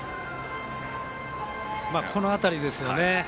この辺りですよね。